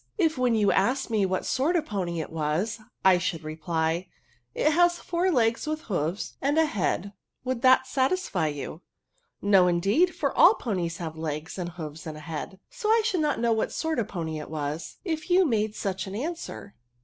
If when jou aslj^f^d m^ what sort of a pony it was, I should reply, ' It has four legs with hoofs, and a h^ad,^ would that satisfy you ?'"*' No, indeed, for all ponies have leg§, and hoofs, and a head ; so I should not know what sort of a pbny'it v^as, if you made such an answer."